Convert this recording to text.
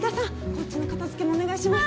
こっちの片付けもお願いします。